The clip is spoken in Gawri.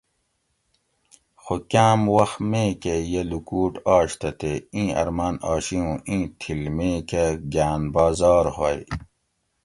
خو کام وخ می کہ یہ لوکوٹ آش تہ تے ایں ارمان آشی ھوں ایں تھِل می کہ گاۤن بازار ھوگ